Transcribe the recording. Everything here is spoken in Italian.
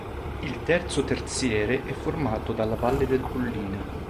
Il terzo terziere è formato dalla valle del Pollina.